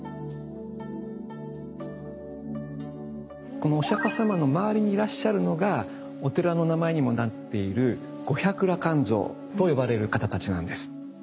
このお釈様の周りにいらっしゃるのがお寺の名前にもなっている「五百羅漢像」と呼ばれる方たちなんです。